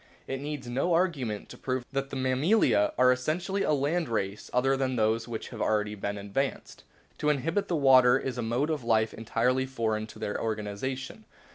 It needs no arguments to prove that the Mammalia are essentially a land race other than those which have already been advanced. To inhabit the water is a mode of life entirely foreign to their organisation.